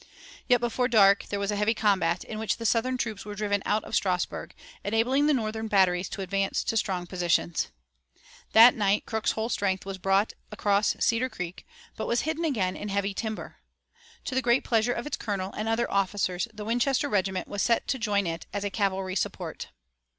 Yet before dark there was a heavy combat, in which the Southern troops were driven out of Strasburg, enabling the Northern batteries to advance to strong positions. That night Crook's whole strength was brought across Cedar Creek, but was hidden again in heavy timber. To the great pleasure of its colonel and other officers the Winchester regiment was sent to join it as a cavalry support.